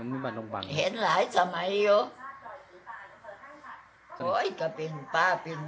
แต่เดี๋ยวนี้มันก็ไม่มีมัวจะเลิกไปไหนเนี่ย